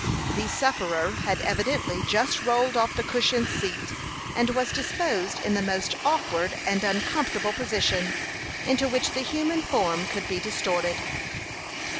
The sufferer had evidently just rolled off the cushioned seat, and was disposed in the most awkward and uncomfortable position into which the human form could be distorted.